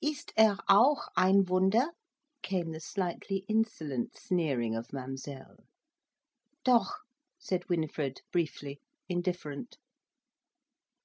"Ist er auch ein Wunder?" came the slightly insolent sneering of Mademoiselle. "Doch!" said Winifred briefly, indifferent.